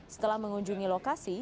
setelah mengunjungi lokasi